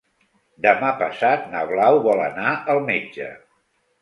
Demà passat na Blau vol anar al metge.